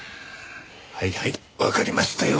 はいはいわかりましたよ。